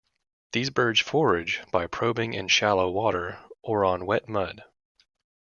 These birds forage by probing in shallow water or on wet mud.